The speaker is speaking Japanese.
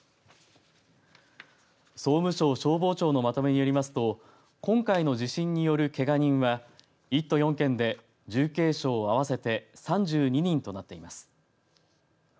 総務省消防庁のまとめによりますと今回の地震によるけが人は１都４県で重軽傷合わせて３２人となっています。